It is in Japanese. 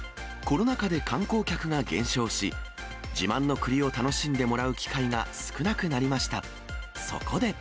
コロナ禍で観光客が減少し、自慢の栗を楽しんでもらう機会が少なくなりました。